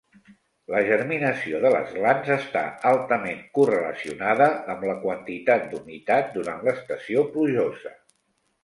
La germinació de les glans està altament correlacionada amb la quantitat d'humitat durant l'estació plujosa.